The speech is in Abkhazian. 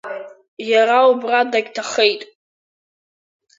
Иара убра дагьҭахеит.